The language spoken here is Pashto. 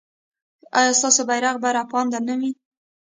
ایا ستاسو بیرغ به رپانده نه وي؟